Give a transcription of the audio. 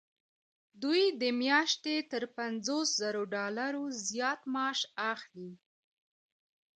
دوی د میاشتې تر پنځوس زرو ډالرو زیات معاش اخلي.